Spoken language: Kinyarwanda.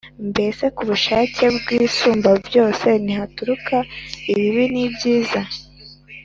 Mbese ku bushake bw’Isumbabyose, Ntihaturuka ibibi n’ibyiza?